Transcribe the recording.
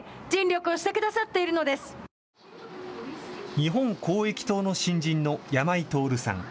日本公益党の新人の山井徹さん。